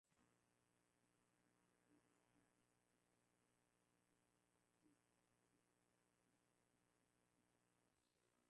lakini waziri huyo akisisitiza kuwa kuendelea kubaki katika uga wa tahariri